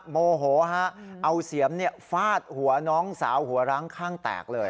โมโหฮะเอาเสียมฟาดหัวน้องสาวหัวร้างข้างแตกเลย